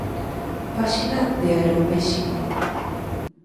Páxina de Aeroméxico